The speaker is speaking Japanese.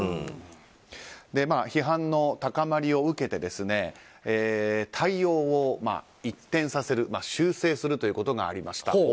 批判の高まりを受けて対応を一転させる修正するということがありました。